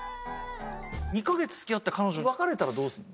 ２カ月付き合った彼女別れたらどうする？